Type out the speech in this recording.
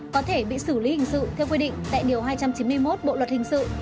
có thể bị xử lý hình sự theo quy định tại điều hai trăm chín mươi một bộ luật hình sự